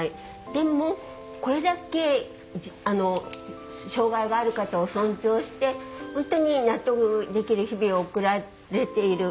でも、これだけ障害がある方を尊重して本当に納得できる日々を送られている。